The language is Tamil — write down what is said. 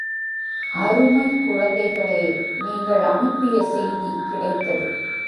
அருமைக் குழந்தைகளே, நீங்கள் அனுப்பிய செய்தி கிடைத்தது.